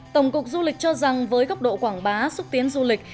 tổng cục du lịch cho rằng với góc độ quảng bá xúc tiến du lịch